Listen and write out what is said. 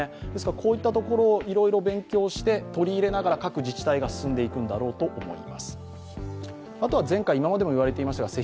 こういったところをいろいろ勉強して、各自治体が進んでいくんだと思います。